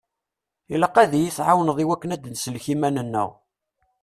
Ilaq ad yi-tɛawneḍ i wakken ad nsellek iman-nneɣ.